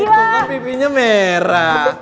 kok kan pipinya merah